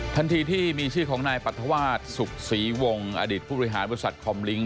ทันทีที่มีชื่อของนายปรัฐวาสสุขศรีวงอดีตผู้บริหารบริษัทคอมลิ้ง